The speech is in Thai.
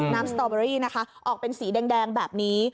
สตอเบอรี่นะคะออกเป็นสีแดงแบบนี้